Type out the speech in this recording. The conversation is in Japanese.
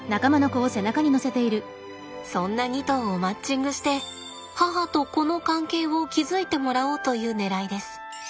そんな２頭をマッチングして母と子の関係を築いてもらおうというねらいです。